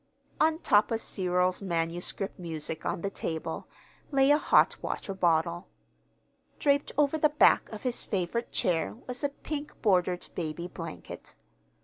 On the top of Cyril's manuscript music on the table lay a hot water bottle. Draped over the back of his favorite chair was a pink bordered baby blanket.